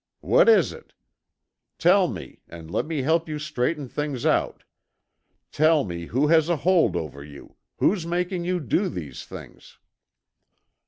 What is it? Tell me, and let me help you straighten things out. Tell me, who has a hold over you, who's making you do these things?"